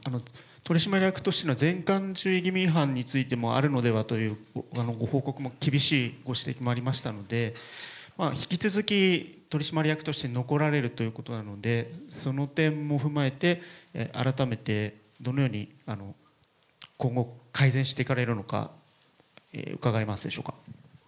取締役としての、注意義務違反もあるのではというご報告も厳しいご指摘もありましたので、引き続き取締役として残られるということなので、その点も踏まえて、改めてどのように今後、改善していかれるのか、伺いますでしょうか。